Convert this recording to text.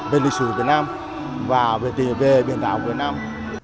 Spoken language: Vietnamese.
về lịch sử việt nam và về biển đảo việt nam